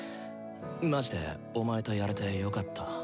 マジでお前とやれてよかった。